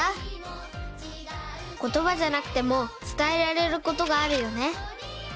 ことばじゃなくてもつたえられることがあるよね。